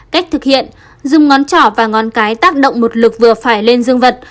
cách thực hiện dùng ngón chỏ và ngón cái tác động một lực vừa phải lên dương vật